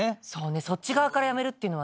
そっち側からやめるってのはね。